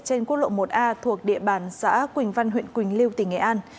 trên quốc lộ một a thuộc địa bàn xã quỳnh văn huyện quỳnh lưu tỉnh nghệ an